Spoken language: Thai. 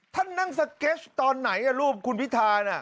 ท่านนั่งสเก็ตตอนไหนรูปคุณพิธาน่ะ